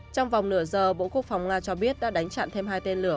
trong vòng nửa giờ bộ quốc phòng nga cho biết đã đánh chặn thêm hai tên lửa